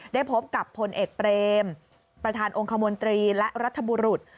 ได้พบกับพลเอกเปรมประธานองค์คมนตรีและรัฐบุรุษ